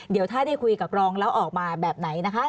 เดี๋ยวถ้าได้คุยกับรองแล้วออกมาแบบไหนนะคะ